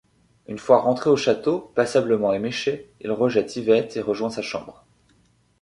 Une fois rentré au château, passablement éméché, il rejette Yvette et rejoint sa chambre.